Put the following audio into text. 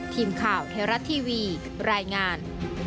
ทีมข่าวเทราะต์ทีวีรายงาน